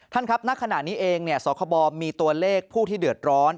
ครับณขณะนี้เองสคบมีตัวเลขผู้ที่เดือดร้อน